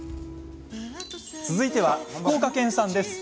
続いては、福岡県産です。